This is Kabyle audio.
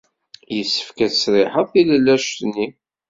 Yessefk ad tesriḥed tilellac-nni.